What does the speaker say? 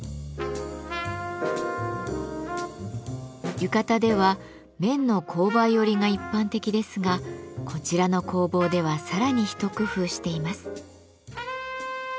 浴衣では綿の紅梅織が一般的ですがこちらの工房ではさらに一工夫しています。